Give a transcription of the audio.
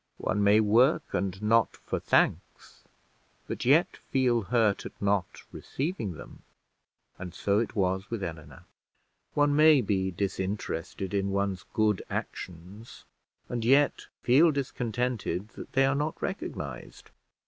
One may work and not for thanks, but yet feel hurt at not receiving them; and so it was with Eleanor: one may be disinterested in one's good actions, and yet feel discontented that they are not recognised.